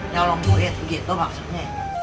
ya tolong bu itu gitu maksudnya